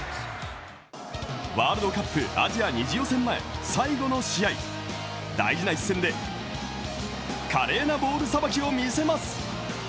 ワールドカップ・アジア２次予選前、最後の試合、大事な一戦で華麗なボールさばきを見せます。